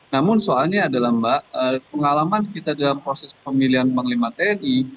namun soalnya adalah mbak pengalaman kita dalam proses pemilihan panglima tni